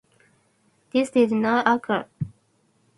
This did not occur.